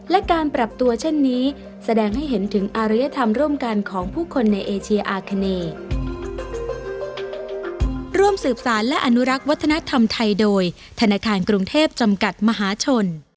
และการปรับตัวเช่นนี้แสดงให้เห็นถึงอารยธรรมร่วมกันของผู้คนในเอเชียอาคเน